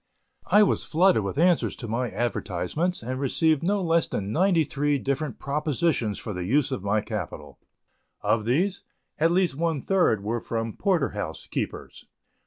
I was flooded with answers to my advertisements and received no less than ninety three different propositions for the use of my capital. Of these, at least one third were from porter house keepers.